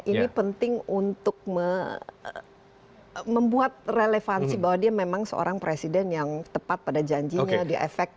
ini penting untuk membuat relevansi bahwa dia memang seorang presiden yang tepat pada janjinya dia efek